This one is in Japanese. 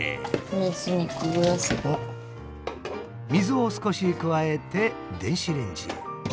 水を少し加えて電子レンジへ。